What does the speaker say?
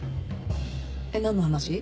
え何の話？